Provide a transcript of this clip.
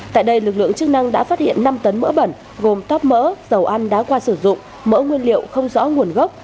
tại đây lực lượng chức năng đã phát hiện năm tấn mỡ bẩn gồm tóp mỡ dầu ăn đã qua sử dụng mỡ nguyên liệu không rõ nguồn gốc